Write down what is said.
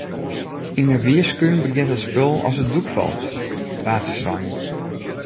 Yn de Wierskún begjint it spul as it doek falt, waard der sein.